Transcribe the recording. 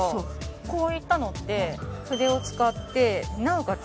こういったのって筆を使ってなおかつ